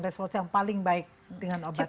respons yang paling baik dengan obat ini